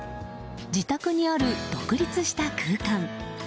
自宅にある独立した空間。